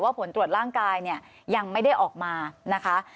ผลตรวจร่างกายเนี่ยยังไม่ได้ออกมานะคะ